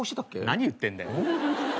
何言ってんだよ。